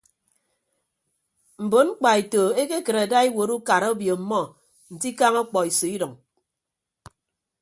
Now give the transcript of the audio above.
Mbon mkpaeto ekekịt ada iwuot ukara obio ọmmọ nte ikañ ọkpọiso idʌñ.